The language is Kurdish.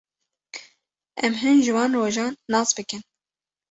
Em hin ji wan rojan nas bikin.